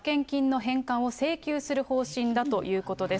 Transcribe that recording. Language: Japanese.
払い過ぎた保険金の返還を請求する方針だということです。